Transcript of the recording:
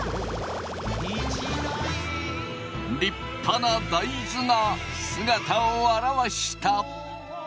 立派な大豆が姿を現した！